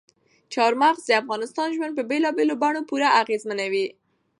چار مغز د افغانانو ژوند په بېلابېلو بڼو پوره اغېزمنوي.